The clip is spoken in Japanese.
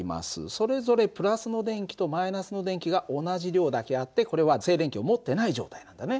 それぞれの電気との電気が同じ量だけあってこれは静電気を持ってない状態なんだね。